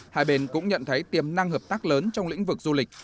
hai bên cũng nhận thấy tiềm năng hợp tác lớn trong lĩnh vực du lịch